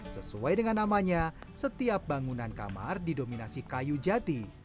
sesuai dengan namanya setiap bangunan kamar didominasi kayu jati